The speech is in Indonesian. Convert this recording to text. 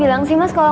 aku mau ke rumah